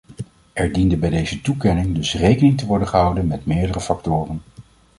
Er diende bij deze toekenning dus rekening te worden gehouden met meerdere factoren.